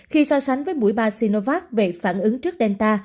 khi so sánh với mũi ba sinovac về phản ứng trước denta